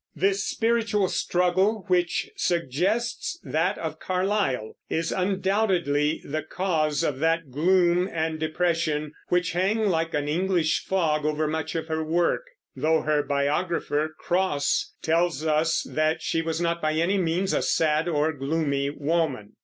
This spiritual struggle, which suggests that of Carlyle, is undoubtedly the cause of that gloom and depression which hang, like an English fog, over much of her work; though her biographer, Cross, tells us that she was not by any means a sad or gloomy woman.